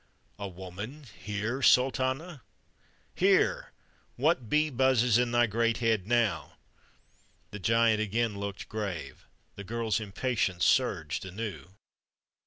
"A woman here, Sultana?" "Here! What bee buzzes in thy great head now?" The giant again looked grave; the girl's impatience surged anew.